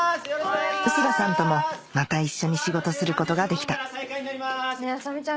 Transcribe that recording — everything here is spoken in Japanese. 臼田さんともまた一緒に仕事することができた麻美ちゃん